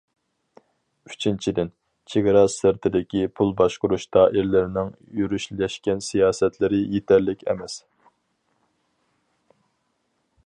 ئۈچىنچىدىن، چېگرا سىرتىدىكى پۇل باشقۇرۇش دائىرىلىرىنىڭ يۈرۈشلەشكەن سىياسەتلىرى يېتەرلىك ئەمەس.